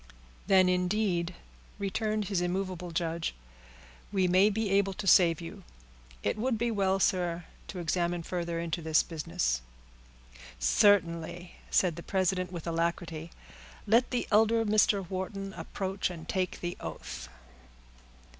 "Then, indeed," returned his immovable judge, "we may be able to save you. It would be well, sir, to examine further into this business." "Certainly," said the president, with alacrity. "Let the elder Mr. Wharton approach and take the oath."